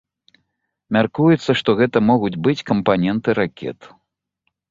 Мяркуецца, што гэта могуць быць кампаненты ракет.